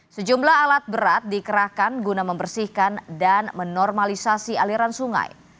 sejumlah alat berat dikerahkan guna membersihkan dan menormalisasi aliran sungai